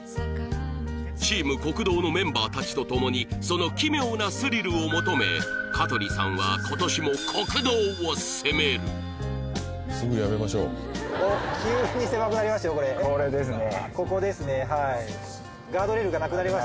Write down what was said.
ＴＥＡＭ酷道のメンバー達とともにその奇妙なスリルを求め鹿取さんは今年も酷道を攻めるここですね